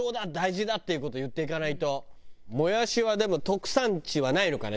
もやしはでも特産地はないのかね？